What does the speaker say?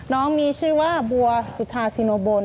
น้องมีชื่อว่าบัวสุธาซิโนบล